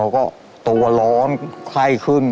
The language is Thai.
ก็ตัวร้อนไข้ขึ้น